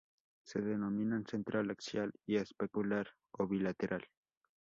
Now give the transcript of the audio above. Se denominan: central, axial y especular o bilateral.